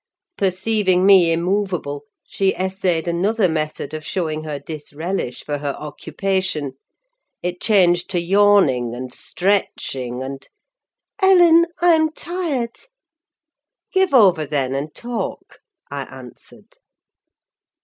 Perceiving me immovable, she essayed another method of showing her disrelish for her occupation. It changed to yawning, and stretching, and— "Ellen, I'm tired." "Give over then and talk," I answered.